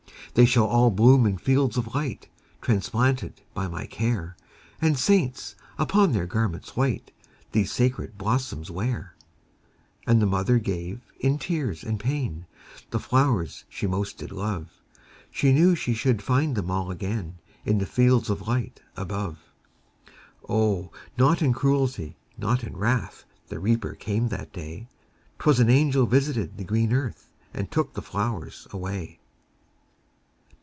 They shall all bloom in fields of light, Transplanted by my care, And saints, upon their garments white, These sacred blossoms wear. And the mother gave, in tears and pain, The flowers she most did love ; She knew she should find them all again In the fields of light above. 10 VOICES OF THE NIGHT. O, not in cruelty, not in wrath, The Reaper came that day ; 'T was an angel visited the green earth, And took the flowers away.